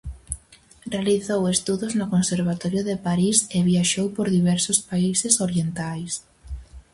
Realizou estudos no Conservatorio de París e viaxou por diversos países orientais.